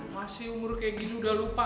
masih umur kayak gini udah lupa